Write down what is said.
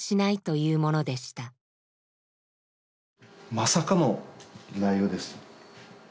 まさかの内容です。